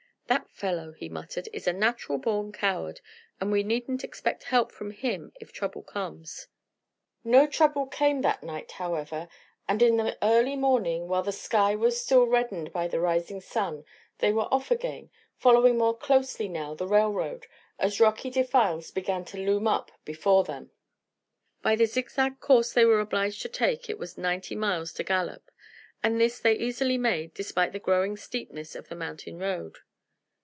"That fellow," he muttered, "is a natural born coward, and we needn't expect help from him if trouble comes." No trouble came that night, however, and in the early morning, while the sky was still reddened by the rising sun, they were off again, following more closely now the railroad, as rocky defiles began to loom up before them. By the zigzag course they were obliged to take it was ninety miles to Gallup, and this they easily made, despite the growing steepness of the mountain road.